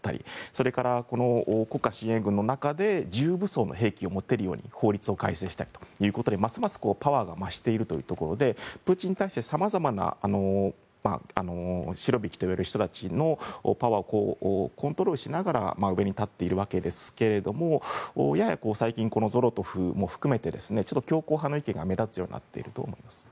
それから国家親衛軍の中で重武装の兵器を持てるように法律を改正したりますますパワーが増しているというところでプーチン体制シロヴィキと呼ばれる人たちのパワーをコントロールしながら上に立っているわけですがやや最近、ゾロトフも含めて強硬派の意見が目立つようになっていると思います。